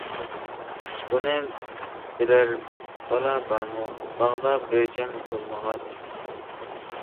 -بۇنى بىلەر بالا بارمۇ؟ -باغدا بۆجەن بولمىغاچ!